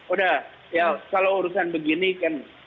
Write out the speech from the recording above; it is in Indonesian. udah ya kalau urusan begini kan